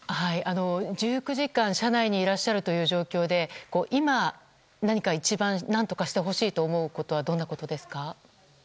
１９時間車内にいらっしゃるという状況で今、何か一番何とかしてほしいという思うことはどんなことですか？